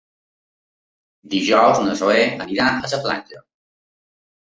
Dijous na Zoè anirà a la platja.